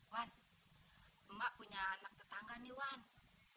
wan mbak punya anak tetangga nih wan